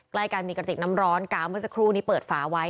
ใกล้กันมีกระจิกน้ำร้อนกาวเมื่อสักครู่นี้เปิดฝาไว้